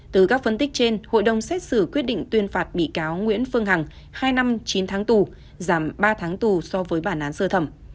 từ các phân tích trên hội đồng xét xử quyết định tuyên phạt bị cáo nguyễn phương hằng hai năm chín tháng tù giảm ba tháng tù so với bản án sơ thẩm